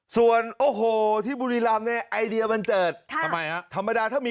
ส่วนโอ้โหที่บุรีรำเนี่ยไอเดียบันเจิดค่ะทำไมฮะธรรมดาถ้ามี